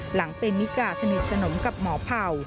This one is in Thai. หลังเป็นมิกาสนิทสนมกับหมอเผ่า